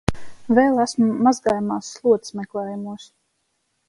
Vēl esmu mazgājamās slotas meklējumos.